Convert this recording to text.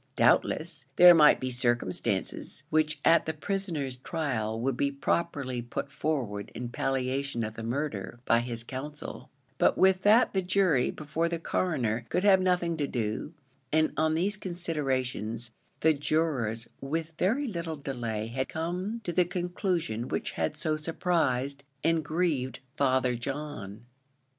Doubtless, there might be circumstances, which at the prisoner's trial would be properly put forward in palliation of the murder, by his counsel; but with that the jury before the Coroner could have nothing to do; and on these considerations, the jurors with very little delay had come to the conclusion which had so surprised and grieved Father John.